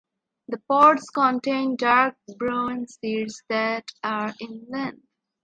The pods contain dark broen seeds that are in length.